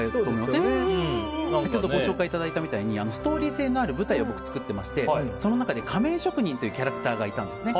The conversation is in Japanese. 先ほどご紹介いただいたみたいにストーリー性のある舞台を作っていましてその中に仮面職人というキャラクターがいたんですね。